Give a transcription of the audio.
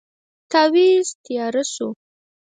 تاويذ تیار شو.